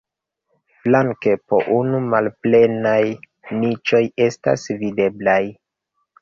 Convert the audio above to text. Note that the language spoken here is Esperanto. Flanke po unu malplenaj niĉoj estas videblaj.